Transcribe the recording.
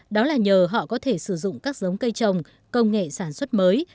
đó là nhờ họ có thể sử dụng các giống cây trồng công nghệ sản xuất mới